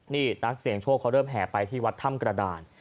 นี่นักเสียงโชคเขาเริ่มแห่ไปที่วัดถ้ำกระดาน